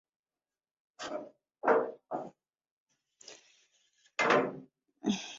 Aina ya pili ni mafuta yanapatikana katika kiini cha tunda.